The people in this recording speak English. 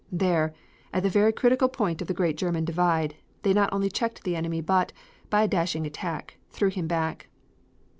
There, at the very critical point of the great German Drive, they not only checked the enemy but, by a dashing attack, threw him back.